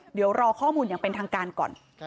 เดี๋ยวรอข้อมูลอย่างเป็นทางการก่อน